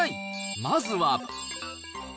まずは。